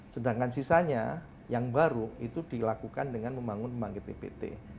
sedangkan sisanya yang baru itu dilakukan dengan membangun pembangkit ipt